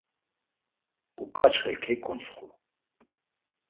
Uǩaçxe keǩuntsxu.